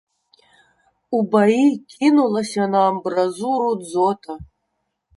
У баі кінулася на амбразуру дзота.